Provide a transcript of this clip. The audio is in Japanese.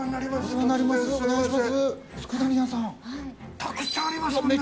たくさんありますね。